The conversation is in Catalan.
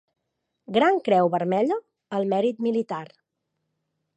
Gran Creu Vermella al Mèrit Militar.